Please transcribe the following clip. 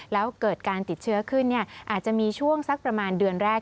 แล้วเกิดการติดเชื้อขึ้นอาจจะมีช่วงสักประมาณเดือนแรก